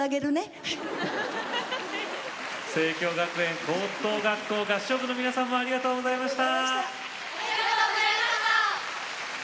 笑い声清教学園高等学校合唱部の皆さんもありがとうございました。